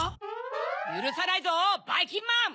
ゆるさないぞばいきんまん！